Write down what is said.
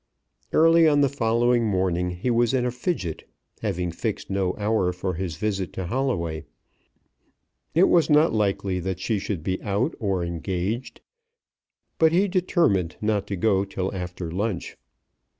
Early on the following morning he was in a fidget, having fixed no hour for his visit to Holloway. It was not likely that she should be out or engaged, but he determined not to go till after lunch.